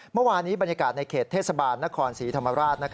เมื่อวานี้บรรยากาศในเขตเทศบาลนครศรีธรรมราช